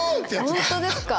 本当ですか？